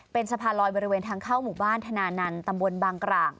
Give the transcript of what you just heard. เป็นสะพานลอยบริเวณทางเข้าหมู่บ้านธนานันต์ตำบลบางกร่าง